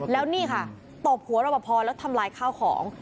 แล้วนี่ค่ะตบหัวรอปภแล้วทำลายข้าวของ